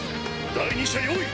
第二射用意！